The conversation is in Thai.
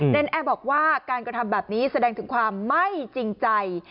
แอร์บอกว่าการกระทำแบบนี้แสดงถึงความไม่จริงใจ